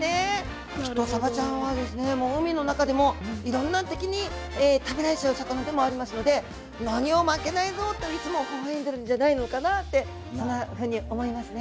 きっとさばちゃんはですねもう海の中でもいろんな敵に食べられちゃう魚でもありますので何を負けないぞッといつもほほ笑んでるんじゃないのかなってそんなふうに思いますね。